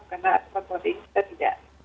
karena asupan protein kita tidak